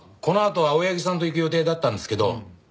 このあと青柳さんと行く予定だったんですけど。